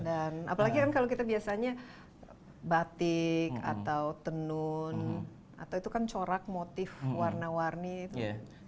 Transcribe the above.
dan apalagi kalau kita biasanya batik atau tenun atau itu kan corak motif warna warni itu